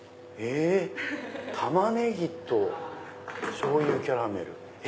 「たまねぎとしょうゆキャラメル」。